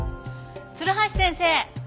鶴橋先生。